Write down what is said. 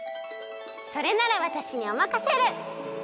それならわたしにおまかシェル！